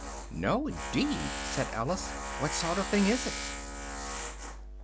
"No, indeed," said Alice, "what sort of a thing is it?"